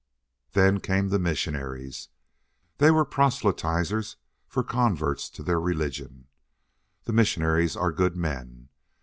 "Then came the missionaries. They were proselytizers for converts to their religion. The missionaries are good men.